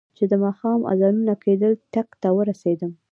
چې د ماښام اذانونه کېدل، ټک ته ورسېدم.